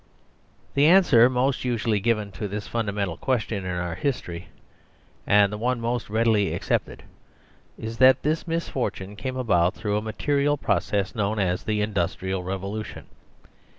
The answer most usually given to this fundamental question in our history, and the one most readily ac cepted, is that this misfortune came about through a 52 THE SERVILE DISSOLVED material process known as the Industrial Revolution.